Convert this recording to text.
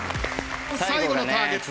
最後のターゲット。